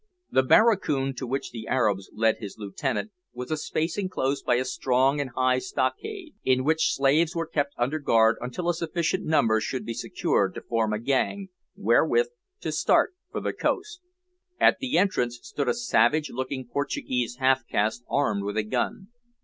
The barracoon, to which the Arab led his lieutenant, was a space enclosed by a strong and high stockade, in which slaves were kept under guard until a sufficient number should be secured to form a gang, wherewith to start for the coast. At the entrance stood a savage looking Portuguese half caste armed with a gun.